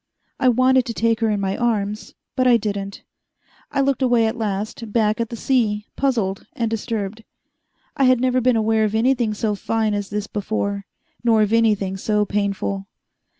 I wanted to take her in my arms, but I didn't. I looked away at last, back at the sea, puzzled and disturbed. I had never been aware of anything so fine as this before, nor of anything so painful.